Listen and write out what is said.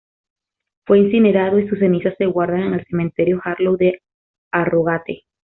Fue incinerado, y sus cenizas se guardan en el Cementerio Harlow de Harrogate.